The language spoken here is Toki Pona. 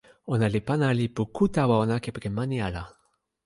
ona li pana e lipu ku tawa ona kepeken mani ala.